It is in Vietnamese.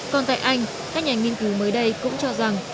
còn tại anh các nhà nghiên cứu mới đây cũng cho rằng